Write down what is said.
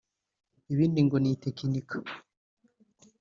ibindi ngo ni itekinika